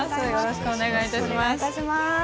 よろしくお願いします。